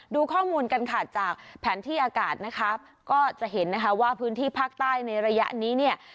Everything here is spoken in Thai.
ดูข้อมูลกันค่ะจากแผนที่อากาศนะคะก็จะเห็นนะคะว่าพื้นที่ภาคใต้ในระยะนี้เนี่ย